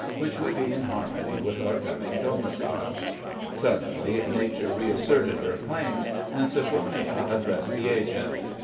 which would be in harmony with our coming domicile. Suddenly nature reasserted her claims, and Sophronia addressed the agent.